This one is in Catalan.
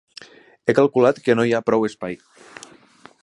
He calculat que no hi ha prou espai.